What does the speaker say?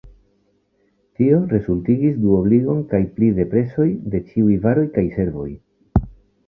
Tio rezultigis duobligon kaj pli de prezoj de ĉiuj varoj kaj servoj.